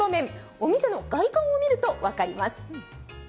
お店の外観を見ると分かります。